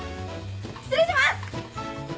失礼します！